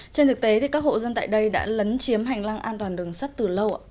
trên thực tế các hộ dân tại đây đã lấn chiếm hành lang an toàn đường sắt từ lâu ạ